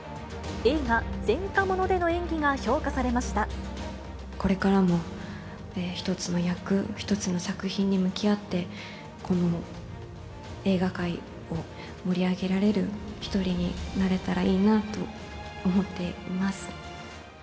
映画、前科者での演技が評価されこれからも一つの役、一つの作品に向き合って、この映画界を盛り上げられる一人になれたらいいなと思っています。